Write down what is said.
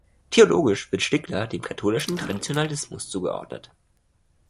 Theologisch wird Stickler dem katholischen Traditionalismus zugeordnet.